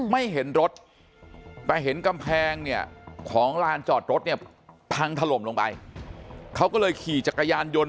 ไม่เห็นรถแต่เห็นกำแพงเนี่ยของลานจอดรถเนี่ยพังถล่มลงไปเขาก็เลยขี่จักรยานยนต์